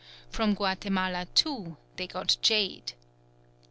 From Guatemala, too, they got jade.